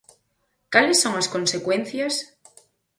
Cales son as consecuencias?